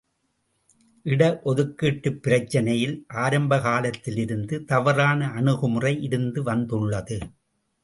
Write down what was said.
இட ஒதுக்கீட்டுப் பிரச்சினையில் ஆரம்பகாலத்திலிருந்து தவறான அணுகுமுறை இருந்து வந்துள்ளது.